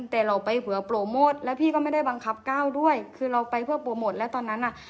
แต่เราไปหัวโปรโมทแล้วพี่ก็ไม่ได้บังคับก้าวด้วยคือเราไปเพื่อโปรโมทแล้วตอนนั้นอ่ะ